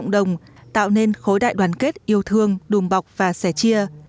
đối đại đoàn kết yêu thương đùm bọc và sẻ chia